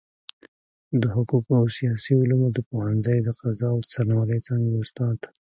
د حقوقو او سياسي علومو د پوهنځۍ د قضاء او څارنوالۍ څانګي استاد